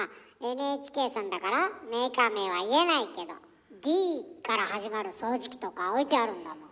ＮＨＫさんだからメーカー名は言えないけど「Ｄ」から始まる掃除機とか置いてあるんだもん。